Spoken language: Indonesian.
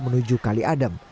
menuju kali adem